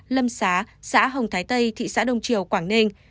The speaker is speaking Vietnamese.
lâm xá xã hồng thái tây thị xã đông triều quảng ninh